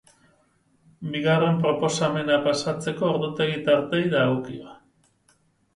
Bigarren proposamena paseatzeko ordutegi tarteei dagokio.